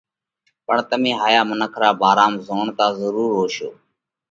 پڻ تمي ھايا منک را ڀارام زوڻتا ضرور ھوشو،